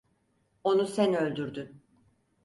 Onu sen öldürdün!